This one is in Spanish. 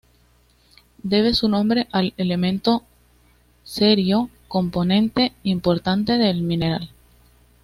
Debe su nombre al elemento cerio, componente importante del mineral.